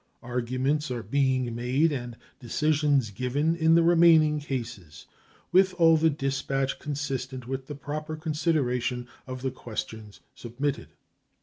Arguments are being made and decisions given in the remaining cases with all the dispatch consistent with the proper consideration of the questions submitted.